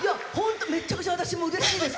めっちゃくちゃ私もうれしいです。